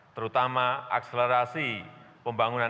terutama akselerasi pembangunan esok